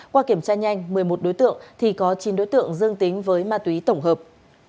qua kiểm tra nhanh một mươi một đối tượng thì có chín đối tượng dương tính với ma túy tổng hợp